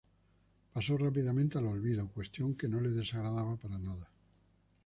Pasó rápidamente al olvido, cuestión que no le desagradaba para nada.